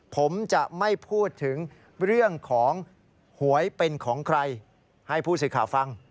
ผมจะไม่พูดถึงเรื่องของหวยเป็นของใครให้ผู้สื่อข่าวฟัง